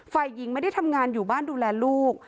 ฝ่ายหญิงไม่ได้ทำงานอยู่บ้านดูแลลูก